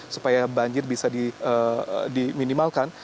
supaya banjir bisa diminimalkan